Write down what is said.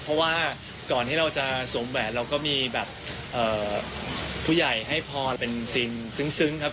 เพราะว่าก่อนที่เราจะสวมแหวนเราก็มีแบบผู้ใหญ่ให้พรเป็นสิ่งซึ้งครับ